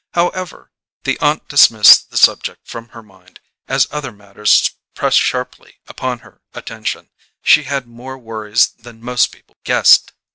However, the aunt dismissed the subject from her mind, as other matters pressed sharply upon her attention; she had more worries than most people guessed.